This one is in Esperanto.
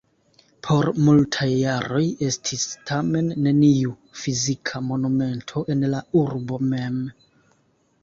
Por multaj jaroj estis, tamen, neniu fizika monumento en la urbo mem.